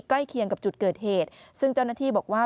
เคียงกับจุดเกิดเหตุซึ่งเจ้าหน้าที่บอกว่า